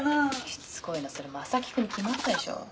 「しつこいなそれ正木君に決まったでしょ」